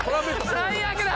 最悪だ！